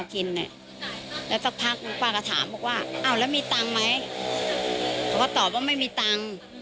กลับทางร้าน